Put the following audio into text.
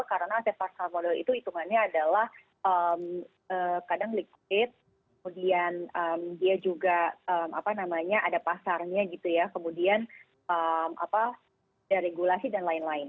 karena aset aset modal itu hitungannya adalah kadang liquid kemudian dia juga ada pasarnya gitu ya kemudian ada regulasi dan lain lain